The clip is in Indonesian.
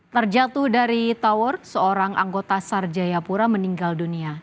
terjatuh dari tower seorang anggota sarjayapura meninggal dunia